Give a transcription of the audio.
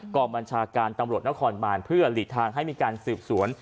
กองบัญชาการตำรวจนครบานเพื่อหลีกทางให้มีการสืบสวน